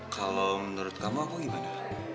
kalau menurut kamu aku gimana